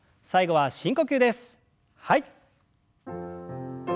はい。